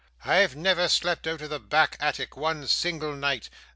I've never slept out of the back attic one single night.